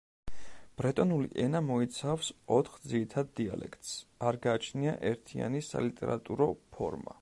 ბრეტონული ენა მოიცავს ოთხ ძირითად დიალექტს; არ გააჩნია ერთიანი სალიტერატურო ფორმა.